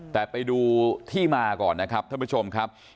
แต่ไปดูที่มาก่อนนะครับท่านผู้ชมครับ